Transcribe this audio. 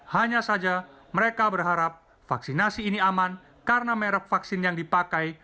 hanya saja mereka berharap vaksinasi ini aman karena merek vaksin yang dipakai